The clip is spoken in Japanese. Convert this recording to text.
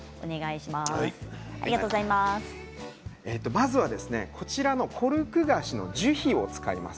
まずはこちらのコルクガシの樹皮を使います。